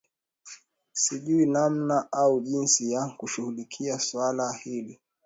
Sijui namna au jinsi ya kushughulikia swala hili